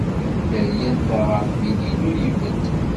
Am dderya n taɣaṭ, mi d-ilul, ibedd.